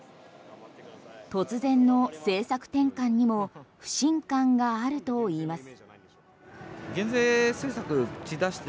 突然の政策転換にも不信感があるといいます。